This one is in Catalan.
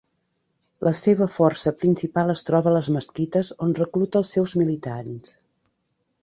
La seva força principal es troba a les mesquites on recluta els seus militants.